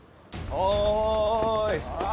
おい！